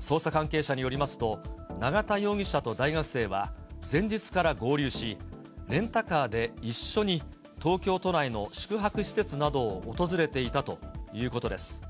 捜査関係者によりますと、永田容疑者と大学生は前日から合流し、レンタカーで一緒に東京都内の宿泊施設などを訪れていたということです。